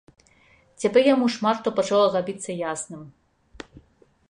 Цяпер яму шмат што пачало рабіцца ясным.